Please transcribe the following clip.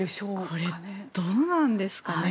これ、どうなんですかね。